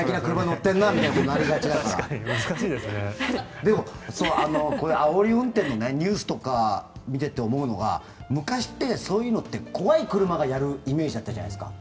でも、あおり運転のニュースとか見ていて思うのが昔ってそういうのって怖い車がやるイメージだったじゃないですか。